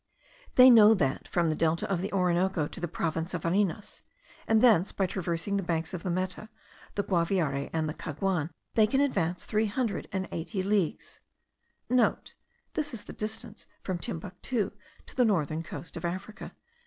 They know that from the Delta of the Orinoco to the province of Varinas, and thence, by traversing the banks of the Meta, the Guaviare, and the Caguan, they can advance three hundred and eighty leagues* (* This is the distance from Timbuctoo to the northern coast of Africa.)